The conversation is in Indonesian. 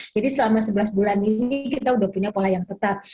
jadi selama sebelas bulan ini kita udah punya pola yang tetap